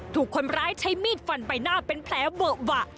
ถูกค้้ายใช้มีดฝนไปหน้าเป็นแผลเวอร์วะ